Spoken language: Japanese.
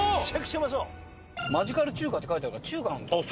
マジカル中華って書いてあるから中華なんだよ多分。